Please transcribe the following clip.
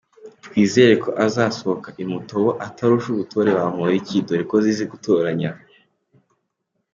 Twizereko azasohoka i Mutobo atarusha ubutore Bamporiki, dore ko zizi gutoranya.